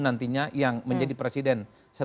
nantinya yang menjadi presiden